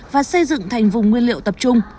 và xây dựng thành vùng nguyên liệu tập trung